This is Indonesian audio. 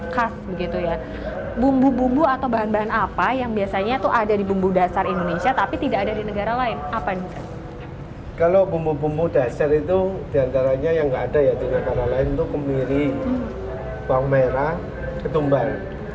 kalau bumbu bumbu dasar itu diantaranya yang nggak ada yaitu negara lain itu kembiri bawang merah ketumbar